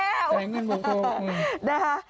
แกล้งกันโปรโมงนะฮะ